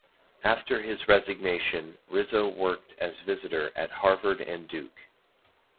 After his resignation, Rizzo worked as visitor at Harvard and Duke.